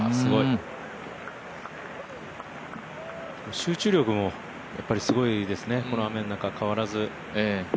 集中力もやっぱりすごいですね、この雨の中、変わらず。